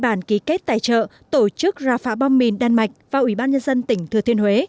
bản ký kết tài trợ tổ chức ra phá bom mìn đan mạch và ủy ban nhân dân tỉnh thừa thiên huế